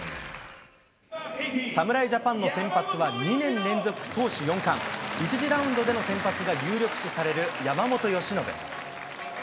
侍ジャパンの先発は２年連続投手４冠、１次ラウンドでの先発が有力視される山本由伸。